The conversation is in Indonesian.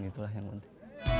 itulah yang penting